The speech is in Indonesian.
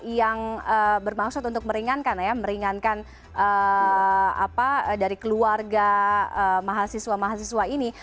yang bermaksud untuk meringankan dari keluarga mahasiswa mahasiswa ini